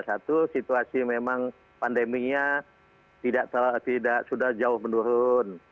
satu situasi memang pandeminya tidak sudah jauh menurun